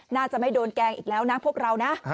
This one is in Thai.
น่าจะไม่โดนแกล้งอีกแล้วนะพวกเรานะ